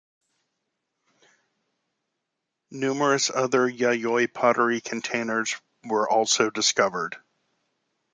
Numerous other Yayoi pottery containers were also discovered.